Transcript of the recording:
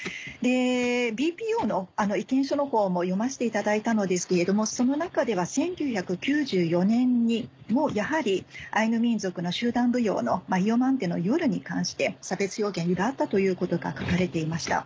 ＢＰＯの意見書のほうも読ませていただいたのですけれどもその中では１９９４年にもやはりアイヌ民族の集団舞踊の『イヨマンテの夜』に関して差別表現があったということが書かれていました。